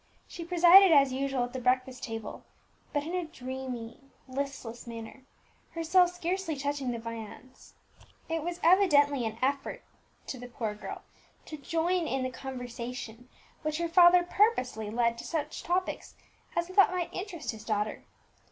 She presided as usual at the breakfast table, but in a dreamy, listless manner, herself scarcely touching the viands. It was evidently an effort to the poor girl to join in the conversation, which her father purposely led to such topics as he thought might interest his daughter.